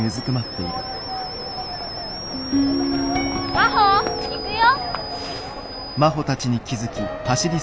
真帆行くよ。